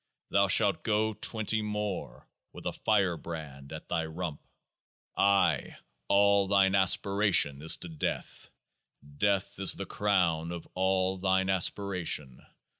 Thou shalt go twenty more with a firebrand at thy rump ! Ay ! all thine aspiration is to death : death is the crown of all thine aspiration.